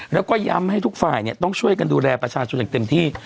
แล้วก็ย้ำให้ทุกฝ่ายต้องช่วยกันดูแลประชาชนอย่างเต็มที่